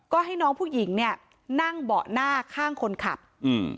ก็ให้น้องผู้หญิงเนี้ยนั่งเบาะหน้าข้างคนขับอืม